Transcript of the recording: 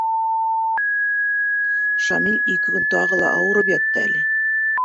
Шамил ике көн тағы ла ауырып ятты әле.